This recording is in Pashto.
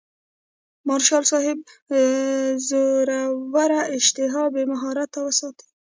مارشال صاحب زوروره اشتها بې مهاره وساتي.